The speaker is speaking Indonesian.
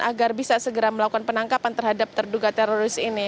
agar bisa segera melakukan penangkapan terhadap terduga teroris ini